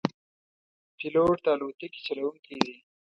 پیلوټ د الوتکې چلوونکی دی.